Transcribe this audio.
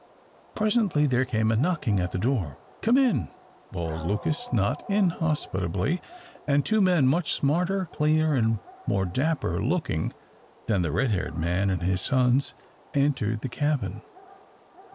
Presently there came a knocking at the door. "Come in," bawled Lucas, not inhospitably, and two men, much smarter, cleaner, and more dapper looking than the red haired man and his sons, entered the cabin.